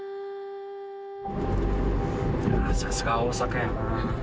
さすが大阪やな。